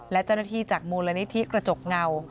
และเจ้าหน้าที่จากมูลนิธิกระจกเงา